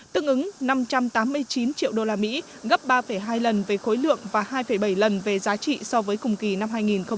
tương ứng năm trăm tám mươi chín triệu usd gấp ba hai lần về khối lượng và hai bảy lần về giá trị so với cùng kỳ năm hai nghìn một mươi tám